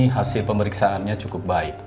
hasil pemeriksaannya cukup baik